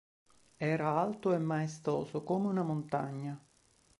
Era alto e maestoso come una montagna.